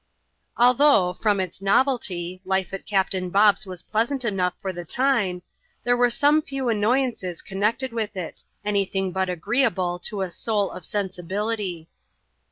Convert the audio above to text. iLTHOueH, &om its novelty, life at Captain Bob's was pleasant nough for the time, there were some few annoyances con nected with it, any thing but agreeable to a '^ soul of sensibOitj.'